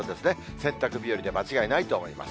洗濯日和で間違いないと思います。